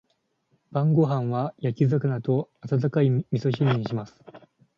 晩ご飯は焼き魚と温かい味噌汁にします。